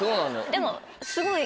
でも。